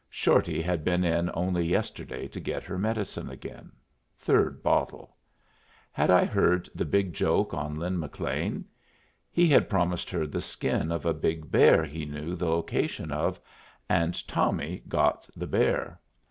Shorty had been in only yesterday to get her medicine again. Third bottle. Had I heard the big joke on Lin McLean? He had promised her the skin of a big bear he knew the location of, and Tommy got the bear.